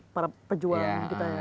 para pejuang kita ya